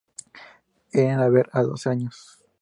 Irena Haber, a doce años.